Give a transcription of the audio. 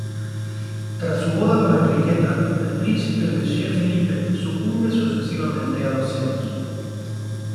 Tras su boda con Enriqueta, el príncipe "Monsieur" Felipe sucumbe sucesivamente a los celos.